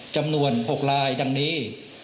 จำนวน๖ลายดังนี้